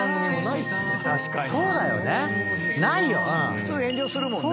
普通遠慮するもんね。